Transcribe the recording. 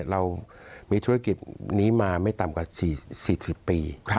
เรามีธุรกิจนี้มาไม่ต่ำกว่า๔๐ปี